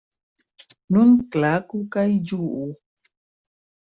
Nun klaku kaj ĝuu!